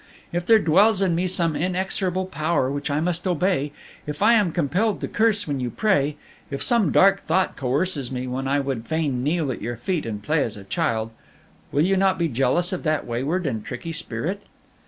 If there dwells in me some inexorable power which I must obey if I am compelled to curse when you pray, if some dark thought coerces me when I would fain kneel at your feet and play as a child, will you not be jealous of that wayward and tricky spirit?